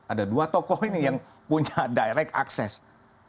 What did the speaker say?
ada dua tokoh ini yang punya direct access